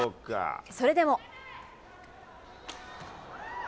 それでも。